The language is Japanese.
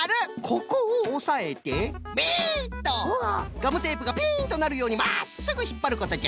ガムテープがピンとなるようにまっすぐひっぱることじゃ。